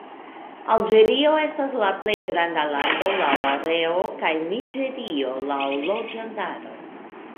Alĝerio estas la plej granda lando laŭ areo, kaj Niĝerio laŭ loĝantaro.